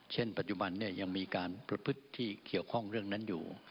เช่นปัจจุบันเนี่ยยังมีการประพฤติที่เกี่ยวข้องเรื่องนั้นอยู่